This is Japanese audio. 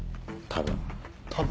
多分。